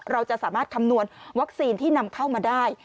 เราจะสามารถคำนวณวัคซีนที่นำเข้ามาได้